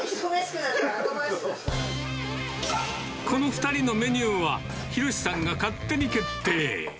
この２人のメニューは、弘さんが勝手に決定。